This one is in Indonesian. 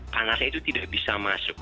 panasnya itu tidak bisa masuk